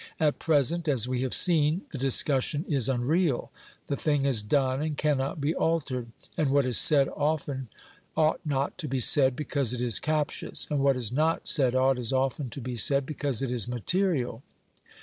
At present, as we have seen, the discussion is unreal. The thing is done and cannot be altered; and what is said often ought not to be said because it is captious, and what is not said ought as often to be said because it is material.